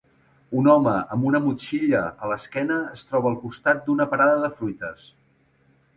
Un home amb una motxilla a l'esquena es troba al costat d'una parada de fruites.